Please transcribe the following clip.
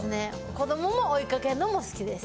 子供も追いかけるのも好きです。